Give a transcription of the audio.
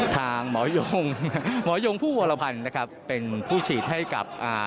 ฐานหมอยงหมอยงผู้วอรพันธุ์เป็นผู้ฉีดให้กับ